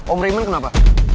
om raymond kenapa